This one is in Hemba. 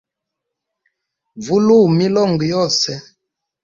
Vuluwa milongo yose.